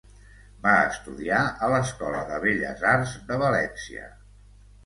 Va estudiar a l'Escola de Belles Arts de València.